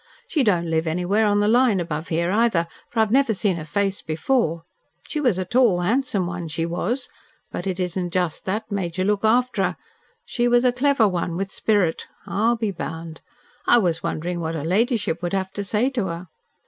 She don't live anywhere on the line above here, either, for I've never seen her face before. She was a tall, handsome one she was, but it isn't just that made you look after her. She was a clever one with a spirit, I'll be bound. I was wondering what her ladyship would have to say to her."